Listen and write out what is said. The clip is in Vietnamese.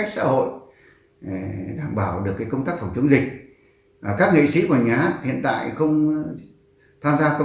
sẽ nghe tan đàn